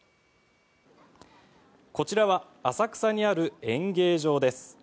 こちらは浅草にある演芸場です。